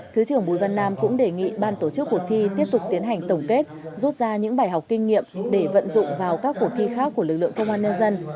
thứ trưởng bùi văn nam cũng đề nghị ban tổ chức cuộc thi tiếp tục tiến hành tổng kết rút ra những bài học kinh nghiệm để vận dụng vào các cuộc thi khác của lực lượng công an nhân dân